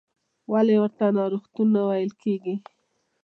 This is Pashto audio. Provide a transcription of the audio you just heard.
ولې ورته ناروغتون نه ویل کېږي؟